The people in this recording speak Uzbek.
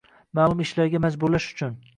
ma’lum ishlarga majburlash uchun